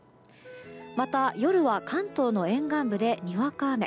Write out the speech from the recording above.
また、夜は関東の沿岸部でにわか雨。